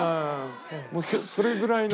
それぐらいの。